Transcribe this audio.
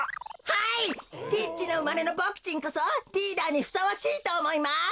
リッチなうまれのボクちんこそリーダーにふさわしいとおもいます！